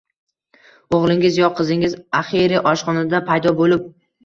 o‘g‘lingiz yo qizingiz axiyri oshxonada paydo bo‘lib